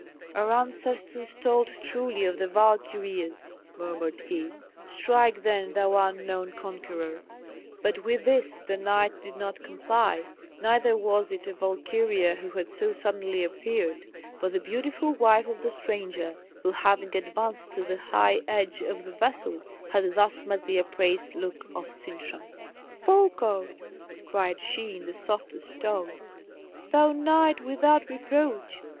"Our ancestors told truly of the Valkyrias," murmured he. "Strike, then, thou unknown conqueror." But with this the knight did not comply, neither was it a Valkyria who had so suddenly appeared, but the beautiful wife of the stranger, who, having advanced to the high edge of the vessel, had thus met the upraised look of Sintram. "Folko," cried she, in the softest tone, "thou knight without reproach!